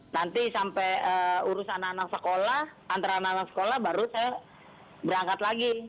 nanti sampai urusan anak anak sekolah antara anak anak sekolah baru saya berangkat lagi